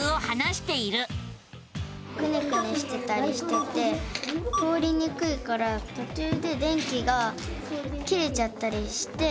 くねくねしてたりしてて通りにくいからとちゅうで電気が切れちゃったりして。